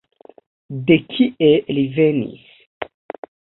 De kie li venis?